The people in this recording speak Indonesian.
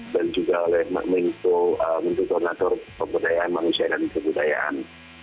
dan juga oleh menteri tornator pemudayaan manusia dan kebudayaan